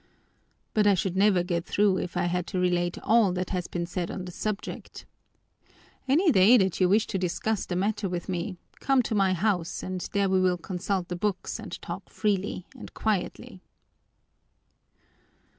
But I should never get through if I had to relate all that has been said on the subject. Any day that you wish to discuss the matter with me, come to my house and there we will consult the books and talk freely and quietly.